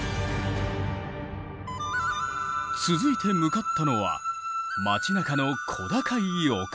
続いて向かったのは町なかの小高い丘。